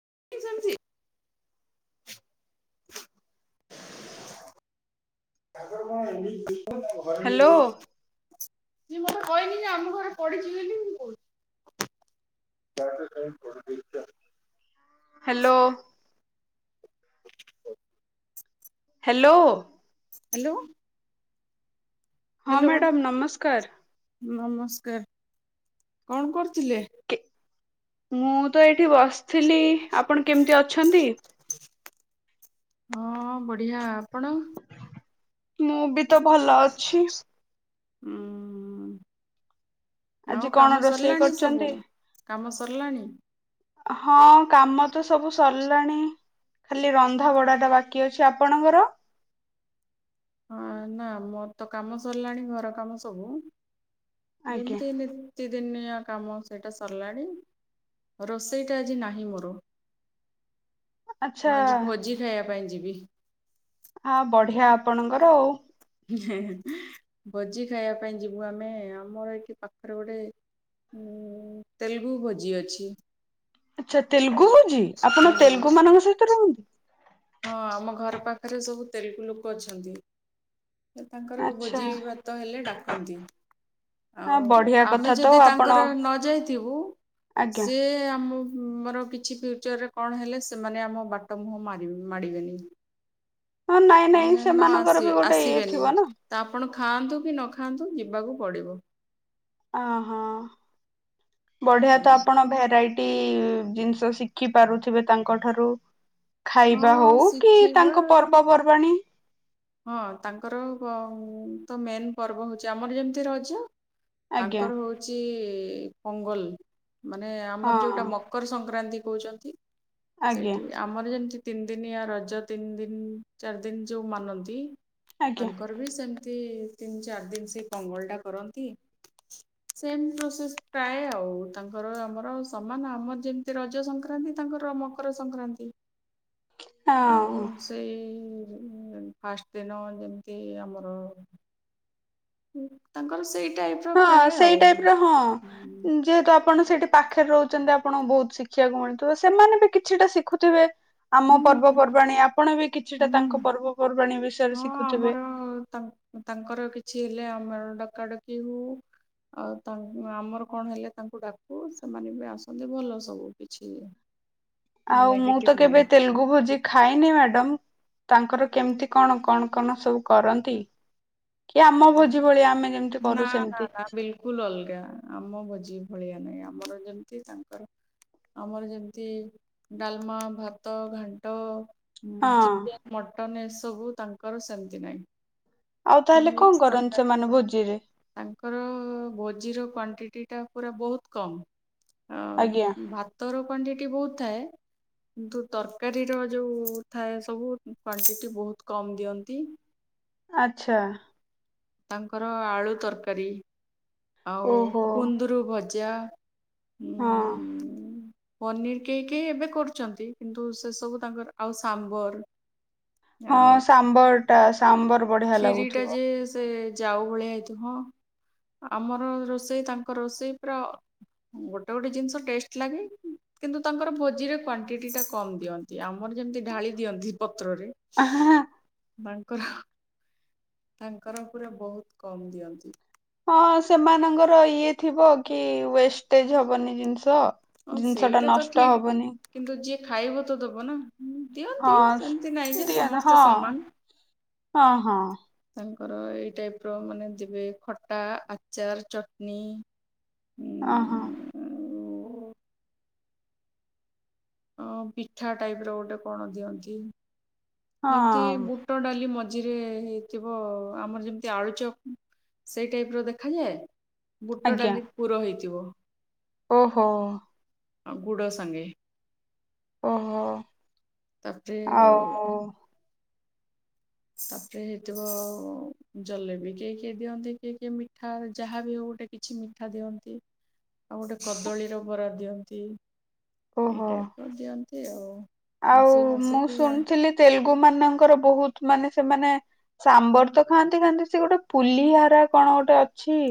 [inaudible] ଆଗ ଏ [inaudible] କ ଘ ଘରମି ହ୍ୟାଲୋ [inaudible] ଯେ ମତେ କହିନି ଯେ ଆମ ଘରେ ପଡିଛି ବୋଲି ମୁ କହୁଛି ହାଲୋ। ହାଲୋ। ହାଲୋ। ହଁ ମ୍ୟାଡ଼ାମ ନମସ୍କାର। ନମସ୍କାର କଣ କରୁଥିଲେ? କେ ମୁଁ ତ ଏଠି ଏଠି ବସିଥିଲି ଆପଣ କେମିତି ଅଛନ୍ତି? ହଁ ବଢିଆ ଆପଣ ମୁଁ ବି ତ ଭଲ ଅଛି। ମଁ ଆଜି ଆଉ କଣ କାମ ରୋଷେଇ ସରିଲାଣି ସବୁ କରିଛନ୍ତି? କାମ ସରିଲାଣି? ହଁ। କାମ ତ ସବୁ ସରିଲାଣି। ଖାଲି ରନ୍ଧା ବଡା ଟା ବାକି ଅଛି ଆପଣଙ୍କର ହଁ ନା ମୋର ତ କାମ ସରିଲାଣି ଘର କାମ ସବୁ। ଆଜ୍ଞା ଯେମିତି ହେଲେ। ପ୍ରତିଦିନିଆ କାମ ସେଇଟା ସରିଲାଣି ରୋଷେଇଟା ଆଜି ନାହିଁ ମୋର ଆଚ୍ଛା ମୁ ଆଜି ଭୋଜି ଖାଇବା ପାଇଁ ଯିବି। ବି ହଁ ବଢିଆ ଆପଣଙ୍କର ଆଉ। ଭୋଜି ଖାଇବା ପାଇଁ ଯିବୁ ଆମେ ଆମର ଏଠି ପାଖରେ ଗୋଟେ ଉ ତେଲୁଗୁ ଭୋଜି ଅଛି। ଆଚ୍ଛା ତେଲୁଗୁ ଭୋଜି ଆପଣ ହଁ ତେଲୁଗୁ ମାନଙ୍କ ସହିତ ରୁହନ୍ତି। ହଁ ଆମ ଘର ପାଖରେ ସବୁ ତେଲୁଗୁ ଲୋକ ଅଛନ୍ତି। ସେ ତାଙ୍କର ଆଚ୍ଛା ଭୋଜି ଭାତ ହେଲେ ଡାକନ୍ତି ଆ ଆଉ ବଢିଆ ଆମେ କଥା ତ ଯଦି ଆପଣ ତାଙ୍କର ନ ଯାଇଥିବୁ ଆଜ୍ଞା ସେ ଆମ ମୋର କିଛି ଫ୍ୟୁଚରରେ କଣ ହେଲେ ସେମାନେ ଆମ ବାଟ ମୁହଁ ମାଡିବେନି ମାଡିବେନି ହଁ ନାଇଁ ନାଇଁ ମାନେ ନ ସେମାନଙ୍କର ଆସି ବି ଗୋଟେ ଇଏ ଆସିବେନି। ଥିବ ନା ତ ଆପଣ ଖାଆନ୍ତୁ କି ନ ଖାଆନ୍ତୁ ଯିବାକୁ ପଡ଼ିବ ଅ ହୋ। ବଢିଆ ତେଣୁ ତ ଆପଣ ଭେରାଇଟି ଜିନିଷ ଶିଖି ପାରୁଥିବେ ତାଙ୍କ ଠାରୁ ଖାଇବା ହଁ ହଉ କି ଶିଖିବା ତାଙ୍କ ପର୍ବପର୍ବାଣୀ ହଁ ତାଙ୍କର ବ ତ ମେନ ପର୍ବ ହଉଛି ଆମର ଯେମିତି ରଜ ଆଜ୍ଞା ତାଙ୍କର ହଉଛି, ପୋଙ୍ଗଲ [inaudible] ମାନେ ଆମର ହଁ ଯୋଉଟା ମକର ସଂକ୍ରାନ୍ତି କହୁଛନ୍ତି ଆଜ୍ଞା। ସେଇଠି ଆମର ଯେମିତି, ତିନି ଦିନିଆୟ ରଜ ତିନି ଦିନ ଚାରି ଦିନ ଯୋଉ ମାନନ୍ତି, କି [inaudible] ଆଜ୍ଞା ତାଙ୍କର ବି ସେମ୍ ମତି ତିନି ଚାରି ଦିନ ସେଇ ପଙ୍ଗଲ ଟା କରନ୍ତି ସେମ ପ୍ରସେସ ପ୍ରାୟ ଆଉ ତାଙ୍କର ଆମର ସମାନ ଆମର ଯେମିତି ରଜ ସଂକ୍ରାନ୍ତି ତାଙ୍କର ମକର ସଂକ୍ରାନ୍ତି ଆଉ ହଁ ସେଇ ହୁଁ ହୁଁ ଫାଷ୍ଟ ଦିନ ଯେମିତି ଆମର ତାଙ୍କର ସେଇ ଟାଇପର ହଁ ପ୍ରାୟ ଆଉ ସେଇ ଟାଇପ ର ହଁ ହୁଁ ଯେହେତୁ, ଆପଣ ସେଇଠି ପାଖରେ ରହୁଛନ୍ତି ଆପଣଙ୍କୁ ବହୁତ ଶିଖିବାକୁ ମିଳୁଥିବ ସେମାନେ ବି କିଛିଟା ଶିଖୁଥିବେ। ଆମ ହୁଁ ପର୍ବପର୍ବାଣୀ ଆପଣ ବି କିଛିଟା ତାଙ୍କ ହୁଁ। ପର୍ବପର୍ବାଣୀ ବି ହଁ ଆମର ତାଙ୍କର କିଛି ହେଲେ ଆମ ଡକାଡକି ହଉ ଆଉ ତା ଆମର କଣ ହେଲେ ତାଙ୍କୁ ଡାକୁ ସେମାନେ ବି ଆସନ୍ତି ଭଲ ସବୁ କିଛି, ଆଉ ମୁଁ ତ ନେଗେଟିଭ୍ ନାହିଁ କେବେ ତେଲୁଗୁ ଭୋଜି ଖ ଖାଇନି ମ୍ୟାଡ଼ମ୍ ତାଙ୍କର କେମିତି କଣ କଣ କଣ ସବୁ କରନ୍ତି, କି ଆମ ଭୋଜି ଭଳିଆ ଆମେ ଯେମିତି ନା କରୁ ନା ସେମିତି ନା ବିଲକୁଲ ଅଲଗା ଆମ ଭୋଜି ଭଳିଆ ନାଇଁ ଆ [inaudible] ଆମର ଯେମିତି ତାଙ୍କର ଆମର ଯେମିତି ଡାଲମା ଭାତ ଘାଣ୍ଟ ହଁ ଚିକେନ୍ ମଟନ୍ ସବୁ ତାଙ୍କର ସେମିତି ନାହିଁ ଆଉ କି ତାହେଲେ କହ ମିକ୍ସ ତାଙ୍କର ଭୋଜିର କ୍ଵାଣ୍ଟିଟିଟା ପୁରା ବହୁତ କମ୍। ଆଜ୍ଞା ଆଉ ଭାତର କ୍ଵାଣ୍ଟିଟି ବହୁତ୍ ଥାଏ, କିନ୍ତୁ ତରକାରୀର ଯୋଉ ଥାଏ ସବୁ କ୍ଵାଣ୍ଟିଟି ବହୁତ କମ୍ ଦିଅନ୍ତି। ଆଚ୍ଛା। ତାଙ୍କର ଆଳୁ ତରକାରୀ। ଆଉ ଓହୋ କୁନ୍ଦୁରୁ ଭ ଜା ହଁ ପନିର କେହି କେହି ଏବେ କରୁଛନ୍ତି କିନ୍ତୁ ସେ ସବୁ ତାଙ୍କର ଆଉ ସାମ୍ବର ହଁ ଆଉ ସାମ୍ବରଟାସ୍ ସାମ୍ବର ବଢି଼ଆ ଲାଗୁଥିବ। ଜାଉ ଭଳିଆ ହେଇଥିବ, ଆମର ରୋଷେଇ ତାଙ୍କର ରୋଷେଇ ପୁରା ଅ ଗୋଟେ ଗୋଟେ ଜିନିଷ ଟେଷ୍ଟ୍ ଲାଗେ କିନ୍ତୁ ତାଙ୍କର ଭୋଜିରେ କ୍ଵାଣ୍ଟିଟିଟା କମ୍ ଦିଅନ୍ତି ଆମ ଆମର ଯେମିତି ଢାଳି ଦିଅନ୍ତି ପତ୍ରରେ ବାଣ୍ଟ୍। [unintelligible] ତାଙ୍କର ପୁରା ବହୁତ କମ୍ ଦିଅନ୍ତି। ହଁ ସେମାନଙ୍କର ଇଏ ଥିବ କି ୱେଷ୍ଟେଜ୍ ହବନି ଜିନିଷ। ହଁ ଜିନିଷ ଟା ସେଇଟା ତ ନଷ୍ଟ ଠିକ ହବନି କିନ୍ତୁ ଯିଏ ଖାଇବ ତ ଦବ ନା। ହୁଁ ଦିଅନ୍ତି ସେମିତି ନାଇଁ ହଁ ଯେ ଦିଅ ନା ହଁ ସମସ୍ତେ ସମାନ ହଁ ହଁ [inaudible] ତାଙ୍କର ଏଇ ଟାଇପର ମାନେ ଦେବେ ଖଟା, ଆଚାର୍ ଚଟନୀ। ଓହୋଃ। ଅଁ ପିଠା ଟାଇପର ଗୋଟେ କଣ ଦିଅନ୍ତି। ଯେମିତି ହଁ ବୁଟ ଡାଲି ମ ମଝିରେ ହେଇଥିବ ଆମର ଯେମିତି ଆଳୁଚପ୍ ସେଇ ଟାଇପର ଦେଖାଯାଏ। ବୁଟ ଡାଲି ପୁର ହେଇଥିବ। ଓହୋଃ। ଆଉ ଗୁଡ଼ ସାଙ୍ଗେ। ଓହୋ ତାପରେ ଆଉ ତାପରେ ହେଇଥିବ, ଜଲେବି କିଏ କିଏ ଦିଅନ୍ତି କିଏ କିଏ ମିଠା ଯାହା ବି ହଉ ଗୋଟେ କିଛି ମିଠା ଦିଅନ୍ତି ଆଉ ଗୋଟେ କଦଳୀର ବରା ଦିଅନ୍ତି। ଏଇ ଓହୋ ଟାଇପର ଦିଅନ୍ତି। [inaudible] ଆଉ ମିଶେଇ ମୁଁ ମାଶେଇକି ଶୁଣିଥିଲି ତେଲୁଗୁମାନଙ୍କର ବହୁତ ମାନେ ସେମାନେ ସାମ୍ବର ତ ଖାଆନ୍ତି ଖାଆନ୍ତି, ସେ ଗୋଟେ ପୁଲି ହାରା କଣ ଗୋଟେ ଅଛି?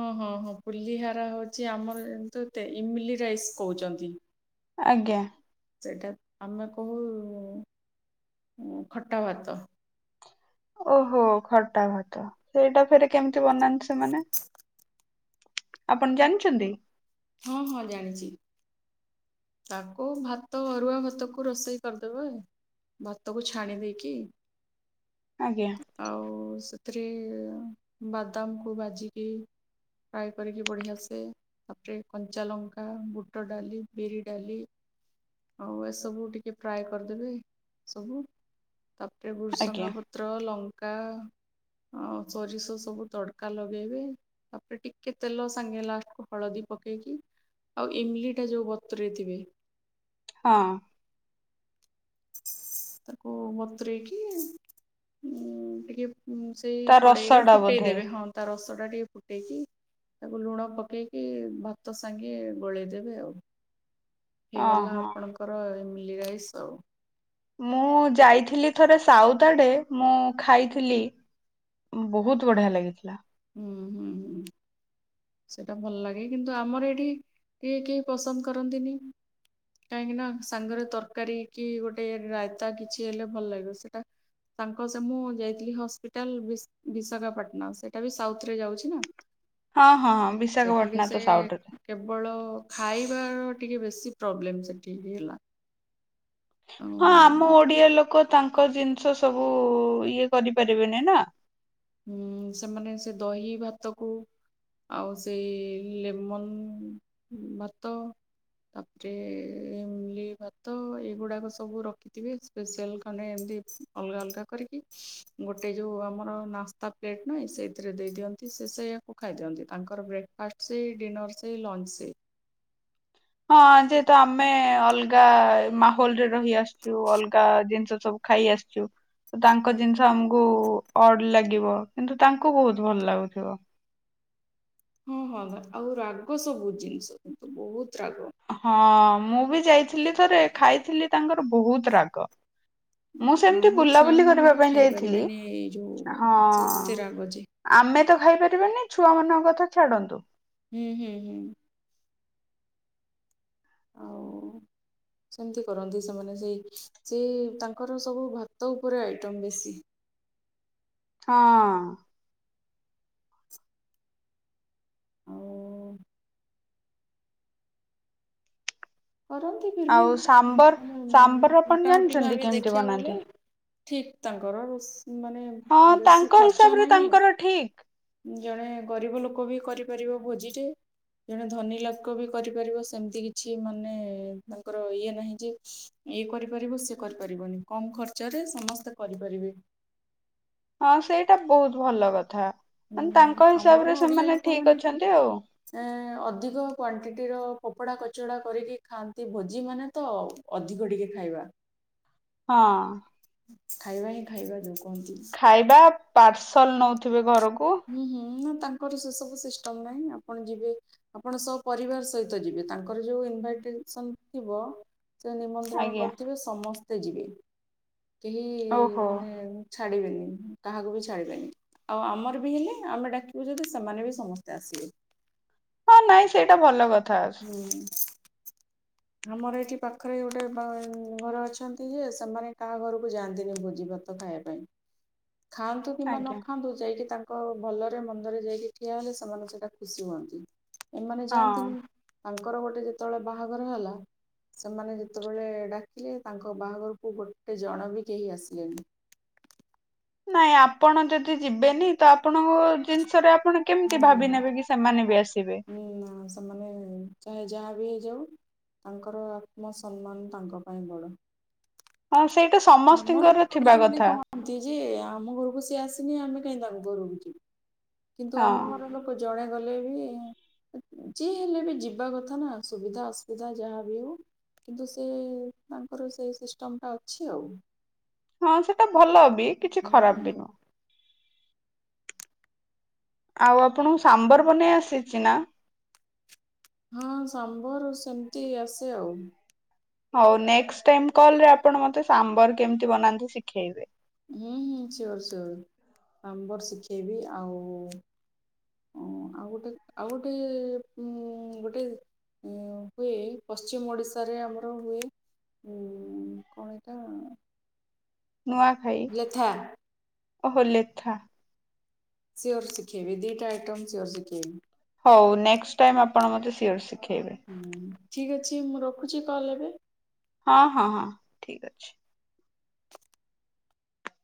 ହଁ ହଁ ହଁ, ପୁଲି ହାରା ହଉଛି ଆମର ଯେମିତି ଇମଲି ରାଇସ୍ କହୁଛନ୍ତି। ଆଜ୍ଞା। ସେଇଟା ଆମେ କହୁ ଉଁ ଖଟା ଭାତ। ଓହୋ ଖଟା ଭାତ ସେଇଟା ଫେରେ କେମ ତି ବନାନ୍ତି ସେମାନେ? ଆପଣ ଜାଣିଚନ୍ତି? ହଁ ହଁ ଜାଣିଚି। ତାକୁ ଭାତ ଅରୁଆ ଭାତକୁ ରୋଷେଇ କରିଦେବେ ଭାତକୁ ଛାଣି ଦେଇକି ଆଜ୍ଞା ଆଉ ସେ ସେଥିରେ ବାଦାମ କୁ ଭାଜିକି ଫ୍ରାଏ କରିକି ବଢିଆସେ ପକେଇ କଞ୍ଚା ଲଙ୍କା ବୁଟ ଡାଲି ବିରି ଡାଲି ଆଉ ଏସବୁ ଟିକେ ଫ୍ରାଏ କରିଦେବେ ସବୁ ତାପରେ ଭୃସଙ୍ଗା ଆଜ୍ଞା ପତ୍ର ଲଙ୍କା ଆଉ ସୋରିଷ ସବୁ ତଡ଼କା ଲଗେଇବେ ତାପରେ ଟିକେ ତେଲ ସାଙ୍ଗେ ଲାଷ୍ଟକୁ ହଳଦୀ ପକେଇକି ଆଉ ଇମଲି ଟା ଯୋଉ ବ ବାତୁରେଇ ଥିବେ ହଁ। ତାକୁ ବତୁରେଇକି ଉଁ ଟିକେ ଉ ସେଇ ତା କଡ଼େଇ ରସ ରେ ଟା ଫୁଟେଇ ବୋଧେ ଦେବେ ହଁ ତା ରସ [unintelligible] ଟେ ଟିକେ ଫୁଟେଇକି ତାକୁ ଲୁଣ ପକେଇକି ଭାତ ସାଙ୍ଗେ ଗୋଳେଇଦେବେ ଆଉ। ହେଇଗଲା ଅହଁ। ଆପଣଙ୍କର ଏମି [unintelligible] ରାଇସ ଆଉ। ମୁଁ ଯାଇଥିଲି ଥରେ ସାଉଦ ଆଡେ ମୁଁ ଖାଇଥିଲି ବହୁତ ବଢିଆ ଲାଗିଥିଲା। ହୁଁ ହୁଁ ହୁଁ ସେଟା ଭଲ ଲାଗେ କିନ୍ତୁ ଆମର ଏଠି କେହି କେହି ପସନ୍ଦ କରନ୍ତିନି କାହିଁକି ନା ସାଙ୍ଗରେ ତରକାରୀ କି ଗୋଟେ ରାାଇତା କିଛି ହେଲେ ଭଲ ଲାଗିବ ସେଟା ତାଙ୍କ ସାଙ୍ଗ ସେ ମୁଁ ଯାଇଥିଲି ହସ୍ପିଟାଲ ବି ବିଶାଖାପାଟଣା ସେ ସେଟା ବି ସାଉଥ ରେ ଯାଉଛି ନା? ହଁ ହଁ ହଁ ସେଠିକି ବିଶାଖପଟଣା ସେ ତ ସାଉଥରେ। କେବଳ ଖାଇବାର ଟିକେ ବେଶୀ ପ୍ରୋବ୍ଲେମ ସେଠି ହେଲା। ଆଉ ହଁ ଆମ ଓଡିଆ ଲୋକ ତାଙ୍କ ଜିନିଷ ସବୁ ଇଏ କରିପାରିବେନି ନା? ହୁଁ ସେମାନେ ସେ ଦହି ଭାତକୁ ଆଉ ସେଇ ଲେମନ ଭାତ ତାପରେ ଇମଲି ଭାତ ଏଇଗୁଡ଼ାକ ସବୁ ରଖିଥିବେ ସ୍ପେସିଆଲ ଖାନେ ଏମିତି ଅଲଗା ଅଲଗା କରିକି ଗୋଟେ ଯୋଉ ଆମର ନାସ୍ ତା ପ୍ଲେଟ୍ ନାଇ ସେଇଥିରେ ଦେଇ ଦିଅନ୍ତି ସେ ସେୟାକୁ ଖାଇଦିଅନ୍ତି ତାଙ୍କର ବ୍ରେକ୍ ଫାଷ୍ଟ ସେଇ ଡିନର୍ ସେଇ ଲଞ୍ଚ ସେଇ। ହଁ ଯେହେତୁ ଆମେ ଅଲଗା ମାହୋଲରେ ରହି ଆସିଚୁ ଅଲଗା ଜିନିଷ ସବୁ ଖାଇ ଆସିଚୁ। ତାଙ୍କ ଜିନିଷ ଆମକୁ ଅଡ ଲାଗିବ କିନ୍ତୁ ତାଙ୍କୁ ବୋହୁତ ଭଲ ଲାଗୁଥିବ। ହଁ ହଁ ଆଉ ରାଗ ସବୁ ଜିନିଷ କିନ୍ତୁ ବୋହୁତ ରାଗ। ହଁ ମୁଁ ବି ଯାଇଥିଲି ଥରେ ଖାଇଥିଲି ତାଙ୍କ ବୋହୁତ ରାଗ ମୁଁ ସେମିତି ଆମ ଛୁଆ ବୁଲାବୁଲି ମାନେ କରିବା ବି ପାଇଁ ଯାଇଥିଲି। ଖାଇପାରିବେନି ଏଇ ଯୋଉ ହଁ ଏତେ ରାଗ ଯେ ଆମେ ତ ଖାଇ ପାରିବେନି ଛୁଆ ମାନଙ୍କ କଥା ଛାଡନ୍ତୁ। ଉଁ ହୁଁ ହୁଁ। ଆଉ ସେମିତି କରନ୍ତି ସେମାନେ ସେଇ ସେ ତାଙ୍କର ସବୁ ଭାତ ଉପରେ ଆଇଟମ୍ ବେଶୀ। ହଁ। ଆଉ କରନ୍ତି ଫିର୍ ବି ଆଉ ସାମ୍ବର ମାନେ ସାମ୍ବର ଆପଣ ମୋଟାମୋଟି ଜାଣିଚନ୍ତି ଭାବେ କେମିତି ଦେଖିବାକୁ ଗଲେ ବନାନ୍ତି? ଠିକ୍ ତାଙ୍କର ରସ୍ ମାନେ ହଁ ବେଶୀ ତାଙ୍କ ଖର୍ଚ୍ଚ ହିସାବରେ ନାହିଁ। ତାଙ୍କର ଠିକ ଜଣେ ଗରିବ ଲୋକ ବି କରିପାରିବ ଭୋଜିରେ ଜଣେ ଧନୀ ଲକ ବି କରିପାରିବ ସେମିତି କିଛି ମାନେ। ମାନେ ତାଙ୍କର ଇଏ ନାହିଁ ଯେ ଇଏ କରିପାରିବ ସେ କରିପାରିବନି କମ ଖର୍ଚ୍ଚରେ ସମସ୍ତେ କରିପାରିବେ। ହଁ ସେଇଟା ବହୁତ ଭଲ କଥା। ହୁଁ ମାନେ ତାଙ୍କ ଆମର ହିସାବରେ ଓଡିଆ ସେମାନେ ଠିକ ଅଛନ୍ତି ଆଉ ଲୋକମାନୋନ ଏ ଅଧିକ କ୍ଵାଣ୍ଟିଟିର। କପଡ଼ା କଚଡ଼ା କରିକି ଖାଆନ୍ତି ଭୋଜି ମାନେ ତ ଅଧିକ ଟିକେ ଖାଇବା। ହଁ। ଖାଇବା ହିଁ ଖାଇବା ଯୋଉ। କୁହନ୍ତି। ଖାଇବା ପାର୍। ସଲ ନେଉଥିବେ ଘରକୁ। ହୁଁ ହୁଁ। ତାଙ୍କର ସେ ସବୁ ସିଷ୍ଟମ୍ ନାହିଁ ଆପଣ ଯିବେ ଆପଣ ସ ପରିବାର ସହିତ ଯିବେ ତାଙ୍କର ଯୋଉ ଇନଭାଇଷ୍ଟେସନ୍ ଥିବ ସେ ନିମନ୍ତ୍ରଣ ଆଜ୍ଞା କରିଥିବେ ସମସ୍ତେ ଏବେ ଯିବେ। କେହି ଓହୋ। ମାନେ ଛାଡିବେନି କାହାକୁ ବି ଛାଡିବେନି ଆଉ ଆମର ହେଲେ ଆମେ ଡାକିବୁ ଯଦି ସେମାନେ ବି ସମସ୍ତେ ଆସିବେ। ହଁ ନାଇଁ ସେଇଟା ଭଲ କଥା। ହୁଁ। ଆମର ଏଠି ପାଖରେ ଗୋଟେ ଘର ଅଛନ୍ତି ଯେ ସେମାନେ କାହା ଘରକୁ ଯାଆନ୍ତିନି ଭୋଜି ଭାତ ଖାଇବା ପାଇଁ। ଖାଆନ୍ତୁ କିମ୍ବା ନ ଆଜ୍ଞା ଖାଆନ୍ତୁ ଯାଇକି ତାଙ୍କୁ ଲୋକ ଭଲରେ ମନ୍ଦରେ ଯାଇକି ଠିଆ ହେଲେ ସେମାନେ ସେଇଟା ଖୁସି ହୁଅନ୍ତି। ଏମାନେ ହଁ ଯାଆନ୍ତିନି। ତାଙ୍କର ଗୋଟେ ଯେତେବେଳେ ବାହାଘର ହେଲା ସେମାନେ ଯେତେବେଳେ ଡାକିଲେ ତାଙ୍କ ବାହାଘରକୁ ଗୋଟେ ଜଣ ବି କେହି ଆସିଲେଣିି। ନାଇଁ ଆପଣ ଯଦି ଯିବେନି ତ ଆପଣଙ୍କ ଜିନିଷରେ ଆପ ଆପଣ କେମିତି ଭାବି ନେବେ କି ସେମାନେ ବି ଆସି ହୁଁ ସେମାନେ ଚା ଯାହା ବି ହେଇଯାଉ ତାଙ୍କର ଆତ୍ମସମ୍ମାନ ତାଙ୍କ ପାଇଁ ବଡ଼। ହଁ। ସେଇଟା ଆମର ସମସ୍ତିଙ୍କର ବି ଥିବା ଓଡିଆ ମାନେ କଥା କହନ୍ତି ଯେ ଆମ ଘରକୁ ସେ ଆସିନି ଆମେ କାଇଁ ତାଙ୍କ ଘରକୁ ଯିବା। କିନ୍ତୁ ହଁ। ଆମ ଘର ଲୋକ ଜଣେ ଗଲେ ବି ଯିଏ ହେଲେ ବି ଯିବା କଥା ନା ସୁବିଧା ଅସୁବିଧା ଯାହା ବି ହଉ କିନ୍ତୁ ସେ ତାଙ୍କର ସେଇ ସିଷ୍ଟମ୍ ଟା ଅଛି। ଆଉ‌ ହଁ ସେଟା ଭଲ କିଛି ଖରାପ ବି ନୁହଁ। ଆଉ ଆପଣଙ୍କୁ ସାମ୍ବର ବନେଇ ଆସିଛି ନା? ହଁ ସାମ୍ବର ସେମିତି ଆସେ ଆଉ। ହଉ ନେଷ୍ଟ୍ ଟାଇମ୍ କଲରେ ଆପଣ ମତେ ସାମ୍ବର କେମିତି ବନାନ୍ତି ଶିଖେଇବେ? ହୁଁ ହୁଁ ସିଓର ସିଓର ସାମ୍ବର ଶିଖେଇବି ଆଉ ଆଉ ଗୋଟେ ଆଉ ଗୋଟେ ଉ ଗୋଟେ ହୁଏ ପଶ୍ଚିମ ଓଡିଶାରେ ଆମର ହୁଏ ଉଁ କଣ ଏଇଟା ନୂଆଖାଇ। ଲେଥା ଓ ହୋ ଲେଥା। ସିଓର ଶିଖେଇ ବି ଦିଟା ଆଇଟମ୍ ସିଓର ଶିଖେଇବି। ହଉ ନେଷ୍ଟ ଟାଇମ୍ ଆପଣ ମତେ ସିଓର ଶି ହୁଁ। ଠିକ୍ ଅଛି ମୁଁ ରଖୁଛି କଲ୍ ଏବେ? ହଁ ହଁ ହଁ ଠିକ୍ ଅଛି।